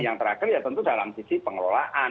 yang terakhir ya tentu dalam sisi pengelolaan